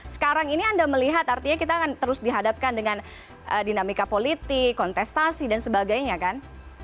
sekarang ini anda melihat artinya kita akan terus dihadapkan dengan dinamika politik kontestasi dan sebagainya kan